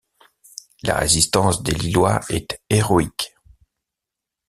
La résistance des Lillois est héroïque.